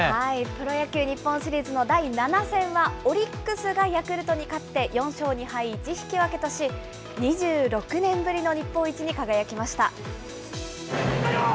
プロ野球日本シリーズの第７戦はオリックスがヤクルトに勝って４勝２敗１引き分けとし、２６年ぶりの日本一に輝きました。